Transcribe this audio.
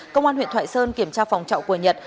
công an huyện thoại sơn kiểm tra phòng trọ của nhật